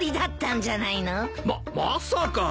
まっまさか！